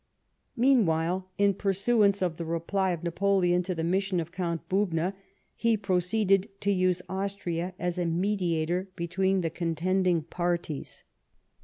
Meanwhile, in pursuance of the reply of Napoleon to the mission of Count Bubna, he proceeded to use Austria as a mediator between the contending parties.